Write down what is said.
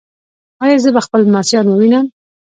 ایا زه به خپل لمسیان ووینم؟